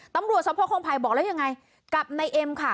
ตำรวจสภคองภัยบอกแล้วยังไงกับนายเอ็มค่ะ